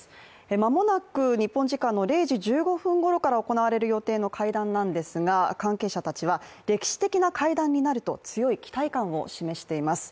間もなく日本時間の０時１５分ほどから行われる予定の会談ですが関係者たちは歴史的な会談になると強い期待感を示しています。